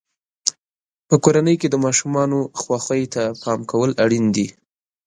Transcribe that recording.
په کورنۍ کې د ماشومانو خوښۍ ته پام کول اړین دي.